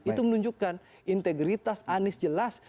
itu menunjukkan integritas anies jelas